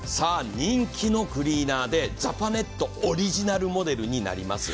人気のクリーナーでジャパネットオリジナルモデルになります。